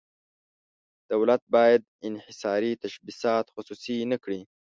دولت باید انحصاري تشبثات خصوصي نه کړي.